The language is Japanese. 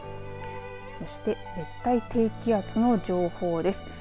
そして熱帯低気圧の情報です。